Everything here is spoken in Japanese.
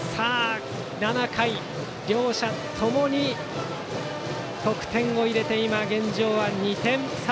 ７回、両者ともに得点を入れて現状は２点差。